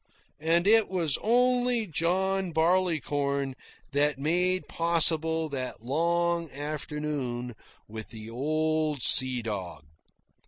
And it was only John Barleycorn that made possible that long afternoon with the old sea dog.